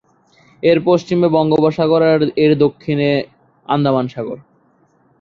এর পশ্চিমে বঙ্গোপসাগর এবং এর দক্ষিণে আন্দামান সাগর।